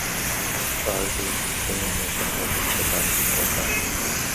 سال کے اس حصے میں موسم کا کچھ پتا نہیں ہوتا